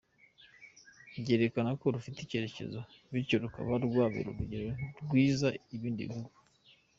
Byerekana ko rufite icyerekezo bityo rukaba rwabera urugero rwiza ibindi bihugu.